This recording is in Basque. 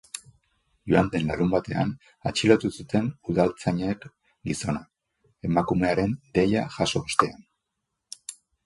Joan den larunbatean atxilotu zuten udaltzainek gizona, emakumearen deia jaso ostean.